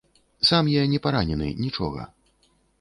Сам я не паранены, нічога.